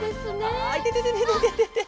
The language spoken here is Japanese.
あっいててててててて。